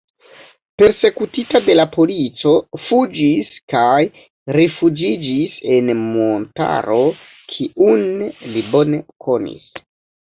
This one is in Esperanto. Persekutita de la polico fuĝis kaj rifuĝiĝis en montaro kiun li bone konis.